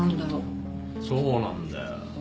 そうなんだよ。